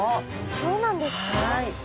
そうなんですか？